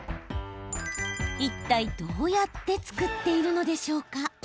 いったい、どうやって作っているのでしょうか。